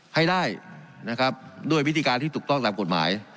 ให้ได้นะครับด้วยวิธีการที่ถูกต้องตามกฎหมาย